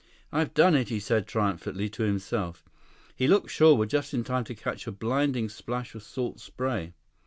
"I've done it," he said triumphantly to himself. He looked shoreward just in time to catch a blinding splash of salt spray.